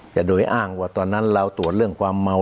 โดยอ้างว่าตอนนั้นเราตรวจเรื่องความเมา